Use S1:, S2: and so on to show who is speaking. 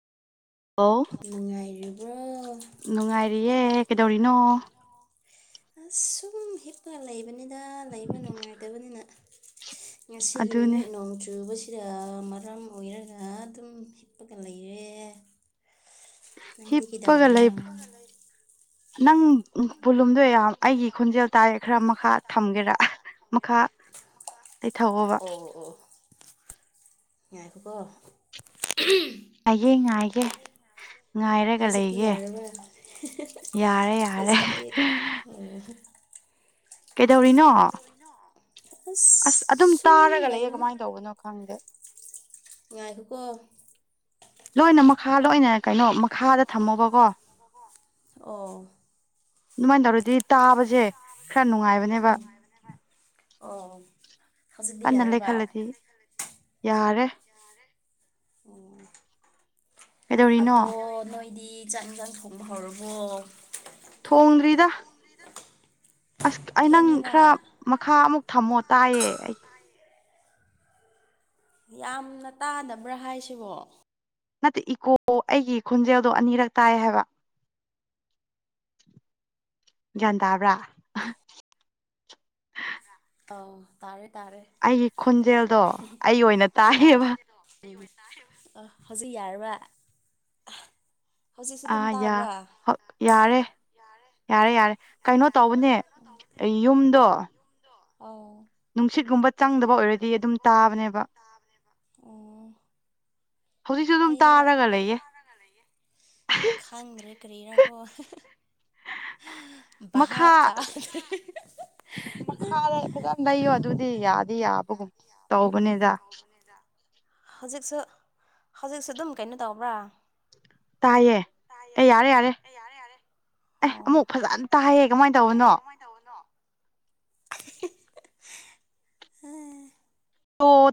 S1: ꯑꯣ
S2: ꯉꯥꯏꯔꯤꯕ
S1: ꯅꯨꯡꯉꯥꯏꯔꯤꯌꯦ ꯀꯩꯗꯧꯔꯤꯅꯣ
S2: ꯑꯁꯨꯝ ꯍꯤꯄ ꯂꯩꯕꯅꯤꯗ ꯂꯩꯕ ꯅꯨꯡꯉꯥꯏꯇꯕꯅꯤꯅ ꯉꯁꯤꯒꯤ
S1: ꯑꯗꯨꯅꯦ
S2: ꯅꯨꯃꯤꯠ ꯅꯣꯡ ꯆꯨꯕꯁꯤ ꯁꯤꯗ ꯃꯔꯝ ꯑꯣꯏꯔꯒ ꯑꯗꯨꯝ ꯍꯤꯞꯄꯒ ꯂꯩꯔꯦ ꯅꯗꯤ
S1: ꯍꯤꯞꯄꯒ
S2: ꯀꯗꯧꯔꯤꯅꯦ
S1: ꯂꯩꯕ ꯅꯪ ꯄꯨꯂꯨꯝꯗꯣꯏ ꯌꯥꯝ ꯑꯩꯒꯤ ꯈꯣꯟꯖꯦꯜ ꯇꯥꯏꯔ ꯈꯔ ꯃꯈꯥ ꯊꯝꯒꯦꯔꯥ ꯃꯈꯥ ꯂꯩ ꯊꯑꯣꯕ
S2: ꯉꯏꯀꯀꯣ
S1: ꯍꯌꯦꯡ ꯉꯥꯏꯒꯦ ꯉꯥꯏꯔꯒ
S2: ꯍꯧꯖꯤꯛꯇꯤ
S1: ꯂꯩꯒꯦ
S2: ꯌꯥꯔꯕ꯭ꯔꯥ
S1: ꯌꯥꯔꯦ ꯌꯥꯔꯦ
S2: ꯍꯧꯖꯤꯛꯇꯤ ꯑꯣ
S1: ꯀꯩꯗꯧꯔꯤꯅꯣ
S2: ꯑꯁ
S1: ꯑꯁ ꯑꯗꯨꯝ
S2: ꯁꯨꯝ
S1: ꯇꯥꯔꯒ ꯂꯩꯌꯦ ꯀꯃꯥꯏꯅ ꯇꯧꯕꯅꯣ ꯈꯪꯗꯦ
S2: ꯉꯥꯏ ꯈꯀ
S1: ꯂꯣꯏꯅ ꯃꯈꯥ ꯂꯣꯏꯅ ꯀꯩꯅꯣ ꯃꯈꯥꯗ ꯊꯝꯃꯣꯕꯀꯣ
S2: ꯑꯣ
S1: ꯑꯗꯨꯃꯥꯏꯅ ꯇꯧꯔꯗꯤ ꯇꯥꯕꯁꯦ ꯈꯔ ꯅꯨꯡꯉꯥꯏꯕꯅꯦꯕ
S2: ꯑ
S1: ꯀꯟꯅ ꯂꯩꯈꯠꯂꯗꯤ ꯌꯥꯔꯦ
S2: ꯎ
S1: ꯀꯩꯗꯧꯔꯤꯅꯣ
S2: ꯑꯗ ꯅꯣꯏ ꯍꯥꯏꯗꯤ ꯆꯥꯛ ꯌꯦꯟꯁꯥꯡ ꯊꯣꯡꯕ ꯍꯧꯔꯕꯣ
S1: ꯊꯣꯡꯗ꯭ꯔꯤꯗ ꯑꯁ ꯑꯩ ꯅꯪ ꯈꯔ
S2: ꯊꯦꯡꯉꯤꯅ
S1: ꯃꯈꯥ ꯑꯃꯨꯛ ꯊꯝꯃꯣ ꯇꯥꯏꯌꯦ ꯑꯩꯒꯤ
S2: ꯌꯥꯝꯅ ꯇꯥꯗꯕ꯭ꯔꯥ ꯍꯥꯏꯁꯤꯕꯣ
S1: ꯅꯠꯇꯦ ꯏꯀꯣ ꯑꯩꯒꯤ ꯈꯣꯟꯖꯦꯜꯗꯣ ꯑꯅꯤꯔꯛ ꯇꯥꯏ ꯍꯥꯏꯕ ꯒ꯭ꯌꯥꯟ ꯇꯥꯕ꯭ꯔꯥ
S2: ꯑꯥꯎ ꯇꯥꯔꯦꯠ
S1: ꯑꯩꯒꯤ ꯈꯣꯟꯖꯦꯜꯗꯣ ꯑꯩ ꯑꯣꯏꯅ
S2: ꯑꯩ ꯇꯥꯔꯦ
S1: ꯇꯥꯏꯌꯦꯕ
S2: ꯑ ꯍꯧꯖꯤꯛ ꯌꯥꯔꯕ
S1: ꯑꯥ ꯌꯥ ꯍ ꯌꯥꯔꯦ ꯌꯥꯔꯦ ꯌꯥꯔꯦ ꯀꯩꯅꯣ ꯇꯧꯕꯅꯦ ꯑꯩ ꯌꯨꯝꯗꯣ
S2: ꯑ
S1: ꯅꯨꯡꯁꯤꯠꯀꯨꯝꯕ ꯆꯪꯗꯕ ꯑꯣꯏꯔꯗꯤ ꯑꯗꯨꯝ ꯇꯥꯕꯅꯦꯕ
S2: ꯑꯣ
S1: ꯍꯧꯖꯤꯛꯁꯨ ꯑꯗꯨꯝ ꯇꯥꯔꯒ ꯂꯩꯌꯦ
S2: ꯈꯥꯡꯗ꯭ꯔꯦ ꯀꯔꯤꯔꯥꯀꯣ
S1: ꯃꯈꯥ ꯃꯈꯥꯗ ꯈꯤꯇꯪ ꯂꯩꯌꯣ ꯑꯗꯨ ꯗꯤ ꯌꯥꯗꯤ ꯌꯥꯕꯒꯨꯝ ꯇꯧꯕꯅꯤꯗ
S2: ꯍꯧꯖꯤꯛꯁꯨ ꯍꯧꯖꯤꯛꯁꯨ ꯑꯗꯨꯝ ꯀꯩꯅꯣ ꯇꯧꯕ꯭ꯔꯥ
S1: ꯇꯥꯏꯌꯦꯦ ꯑꯦ ꯌꯥꯔꯦ ꯌꯥꯔꯦ ꯑꯦ
S2: ꯑꯣ
S1: ꯑꯃꯨꯛ ꯐꯖꯅ ꯇꯥꯏꯌꯦꯦ ꯀꯃꯥꯏꯅ ꯇꯧꯕꯅꯣ
S2: [inaudible] ꯑꯝ
S1: ꯇꯣ